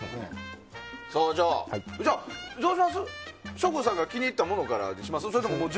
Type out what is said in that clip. じゃあ、省吾さんが気に入ったものからにします？